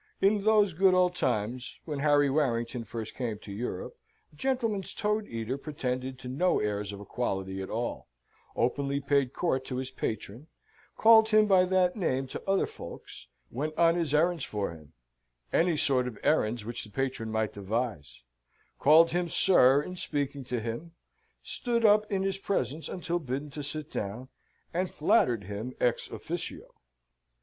In those good old times, when Harry Warrington first came to Europe, a gentleman's toad eater pretended to no airs of equality at all; openly paid court to his patron, called him by that name to other folks, went on his errands for him, any sort of errands which the patron might devise, called him sir in speaking to him, stood up in his presence until bidden to sit down, and flattered him ex officio.